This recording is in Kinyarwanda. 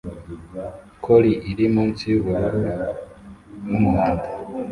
Collie iri munsi yubururu n'umuhondo